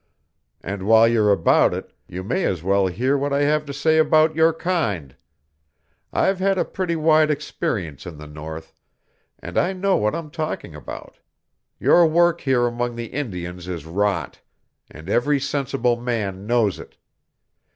And while you're about it you may as well hear what I have to say about your kind. I've had a pretty wide experience in the North, and I know what I'm talking about. Your work here among the Indians is rot, and every sensible man knows it.